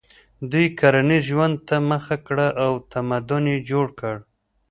دوی کرنیز ژوند ته مخه کړه او تمدن یې جوړ کړ.